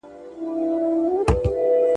که ته په املا کي له نورو سره مرسته وکړې.